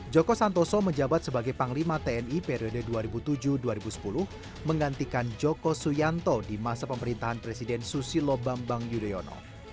joko santoso menjabat sebagai panglima tni periode dua ribu tujuh dua ribu sepuluh menggantikan joko suyanto di masa pemerintahan presiden susilo bambang yudhoyono